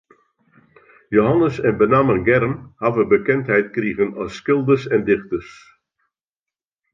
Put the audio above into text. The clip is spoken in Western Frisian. Jehannes en benammen Germ hawwe bekendheid krigen as skilders en dichters.